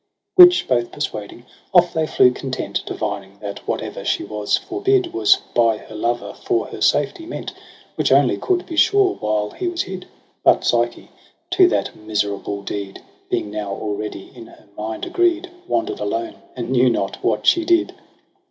Which both persuading, off they flew content, Divining that whate'er she was forbid Was by her lover for her safety meant. Which only coud be sure while he was hid. But Psyche, to that miserable deed Being now already in her mind agreed, Wander'd alone, and knew not what she did.